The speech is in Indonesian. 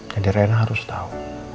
jadi rena harus tahu